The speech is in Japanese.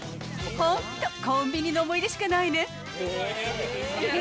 本当コンビニの思い出しかないね。